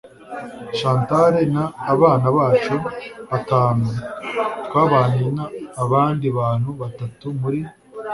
chantal n abana bacu batanu twabanye n abandi bantu batatu muri